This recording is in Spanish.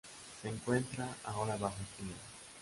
Se encuentra ahora bajo estudio.